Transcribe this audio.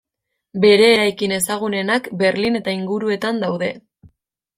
Bere eraikin ezagunenak Berlin eta inguruetan daude.